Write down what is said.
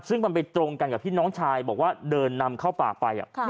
ซึ่งมันไปตรงกันกับที่น้องชายบอกว่าเดินนำเข้าปากไป